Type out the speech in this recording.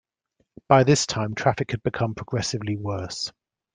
By this time, traffic had become progressively worse.